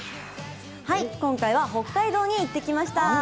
今回は北海道に行ってきました。